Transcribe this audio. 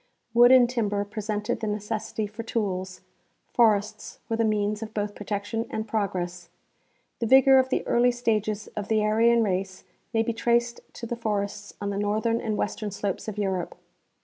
Wood and timber pre sented the necessity for tools ; forests were the means of both protection and progress. The vigor of the early stages of the Ar3^an race may be traced to the forests on the northern and western slopes of Europe.